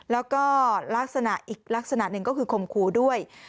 แล้วก็ลักษณะอีกลักษณะหนึ่งก็คือคมครูด้วย